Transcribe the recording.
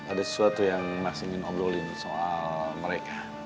ada sesuatu yang mas ingin ngobrolin soal mereka